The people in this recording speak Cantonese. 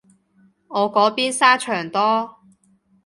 我嗰邊沙場多